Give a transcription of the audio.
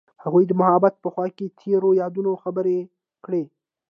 هغوی د محبت په خوا کې تیرو یادونو خبرې کړې.